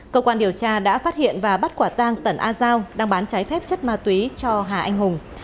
cơ quan điều tra đã phát hiện và bắt quả tang tẩn a giao đang bán trái phép chất ma túy cho hà anh hùng